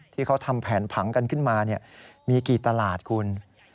ที่เขาทำแผนผังกันขึ้นมามีกี่ตลาดคุณ